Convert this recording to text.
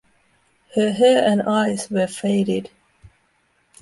Her hair and eyes were faded.